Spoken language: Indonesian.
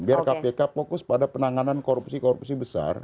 biar kpk fokus pada penanganan korupsi korupsi besar